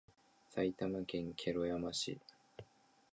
埼玉県毛呂山町